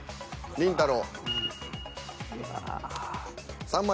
りんたろー。。